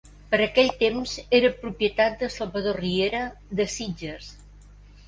Per aquell temps era propietat de Salvador Riera, de Sitges.